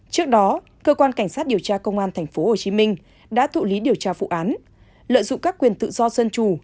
trước đó cơ quan cảnh sát điều tra công an tp hcm đã thụ lý điều tra vụ án lợi dụng các quyền tự do dân chủ